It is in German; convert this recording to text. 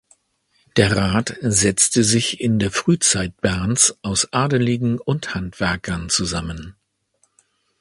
Der Rat setzte sich in der Frühzeit Berns aus Adeligen und Handwerkern zusammen.